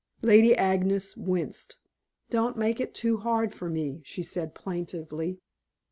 Lady Agnes winced. "Don't make it too hard for me," she said plaintively.